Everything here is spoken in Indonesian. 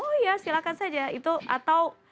oh iya silahkan saja atau